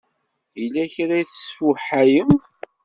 Yella kra i tesfuḥayem?